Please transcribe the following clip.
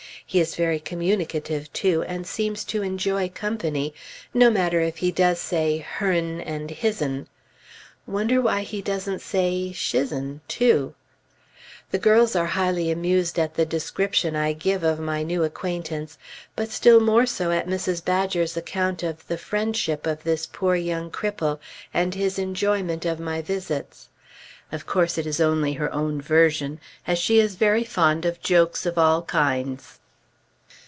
He is very communicative, too, and seems to enjoy company, no matter if he does say "her'n" and "his'n." Wonder why he doesn't say "shisen" too? The girls are highly amused at the description I give of my new acquaintance, but still more so at Mrs. Badger's account of the friendship of this poor young cripple, and his enjoyment of my visits. Of course it is only her own version, as she is very fond of jokes of all kinds.